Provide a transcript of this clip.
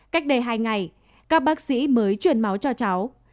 cách đây hai ngày các bác sĩ mới chuyển máu cho cháu